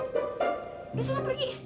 yaudah sana pergi